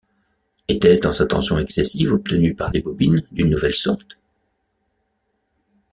Etait-ce dans sa tension excessive obtenue par des bobines d’une nouvelle sorte ?